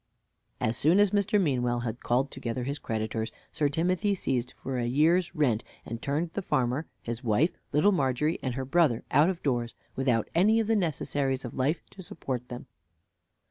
As soon as Mr. Meanwell had called together his creditors, Sir Timothy seized for a year's rent, and turned the farmer, his wife, Little Margery, and her brother out of doors, without any of the necessaries of life to support them.